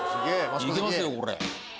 行けますよこれ。